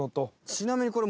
ちなみにこれ。